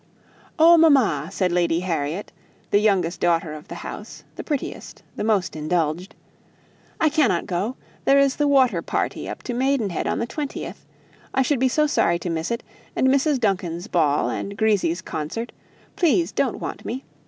"Oh, mamma!" said Lady Harriet, the youngest daughter of the house the prettiest, the most indulged; "I cannot go; there's the water party up to Maidenhead on the 20th, I should be so sorry to miss it: and Mrs. Duncan's ball, and Grisi's concert; please, don't want me.